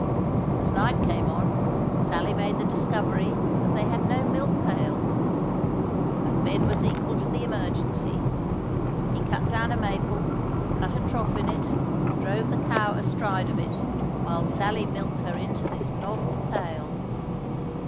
As night came on, Sally made the discovery that they had no milk pail; but Ben was equal to the emergency: he cut down a maple, cut a trough in it, drove the cow astride of it, while Sally milked her into this novel pail.